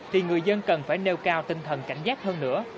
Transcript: thì người dân cần phải nêu cao tinh thần cảnh giác hơn nữa